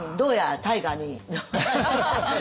大河に。